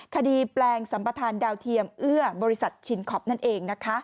แปลงสัมประธานดาวเทียมเอื้อบริษัทชินคอปนั่นเองนะคะ